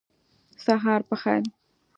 سهار په خیر !